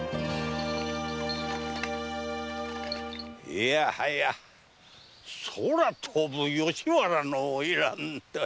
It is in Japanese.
いやはや空飛ぶ吉原の花魁とやら。